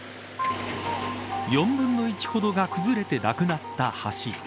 ４分の１ほどが崩れてなくなった橋。